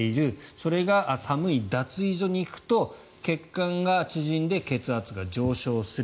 それが寒い脱衣所に行くと血管が縮んで血圧が上昇する。